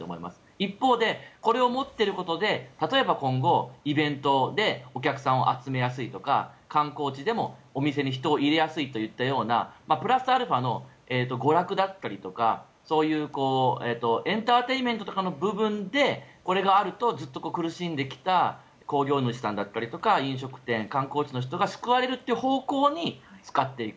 一方でこれを持っていることで例えば今後イベントでお客さんを集めやすいとか観光地でもお店に人を入れやすいといったようなプラスアルファの娯楽だったりそういうエンターテインメントの部分でこれがあるとずっと苦しんできた興行主さんだったりとか飲食店、観光地の人が救われるという方向に使っていく。